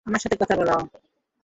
আমার সাথে কথা বলাও।